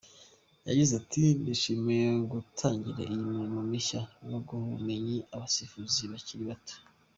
Yagize ati “ Nishimiye gutangira iyi mirimo mishya no guha ubumenyi abasifuzi bakiri bato.